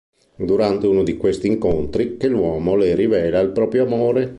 È durante uno di questi incontri che l’uomo le rivela il proprio amore.